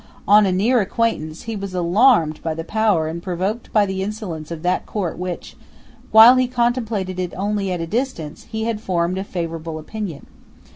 On a near acquaintance, he was alarmed by the power and provoked by the insolence of that Court of which, while he contemplated it only at a distance, he had formed a favourable opinion.